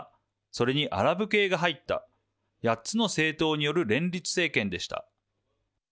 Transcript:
それにアラブ系が入った８つの政党による連立政権でした。